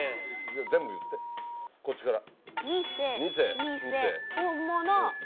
じゃあ全部言ってこっちから。